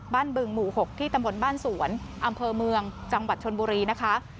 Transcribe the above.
บึงหมู่๖ที่ตำบลบ้านสวนอำเภอเมืองจังหวัดชนบุรีนะคะ